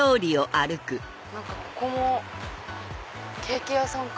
ここもケーキ屋さんか！